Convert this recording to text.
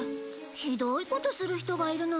ひどいことする人がいるのね。